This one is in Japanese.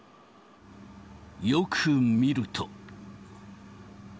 よく見ると。